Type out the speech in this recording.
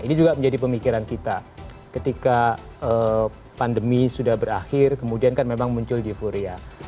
ini juga menjadi pemikiran kita ketika pandemi sudah berakhir kemudian kan memang muncul euforia